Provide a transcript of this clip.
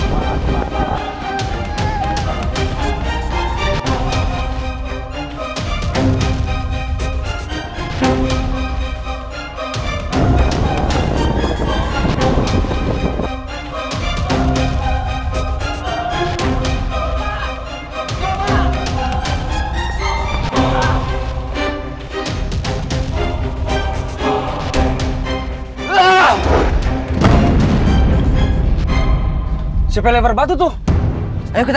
masa pasangin terancam banget